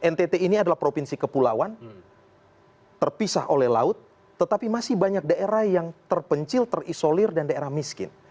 ntt ini adalah provinsi kepulauan terpisah oleh laut tetapi masih banyak daerah yang terpencil terisolir dan daerah miskin